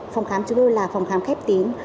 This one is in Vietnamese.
phòng khám chúng tôi là phòng khám khép tín